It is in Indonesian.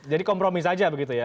jadi kompromi saja begitu ya